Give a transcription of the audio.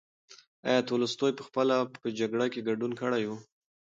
ایا تولستوی پخپله په جګړو کې ګډون کړی و؟